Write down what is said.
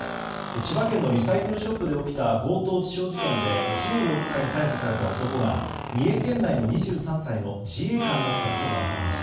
千葉県のリサイクルショップで起きた強盗致傷事件で１４日に逮捕された男が三重県内の２３歳の自衛官だったことが分かりました。